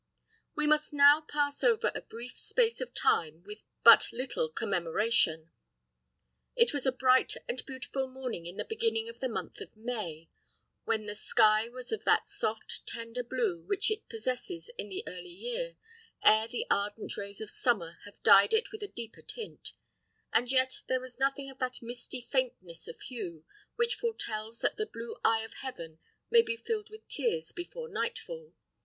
We must now pass over a brief space of time with but little commemoration. It was a bright and beautiful morning in the beginning of the month of May, when the sky was of that soft, tender blue which it possesses in the early year, ere the ardent rays of summer have dyed it with a deeper tint; and yet there was nothing of that misty faintness of hue which foretels that the blue eye of heaven may be filled with tears before nightfall.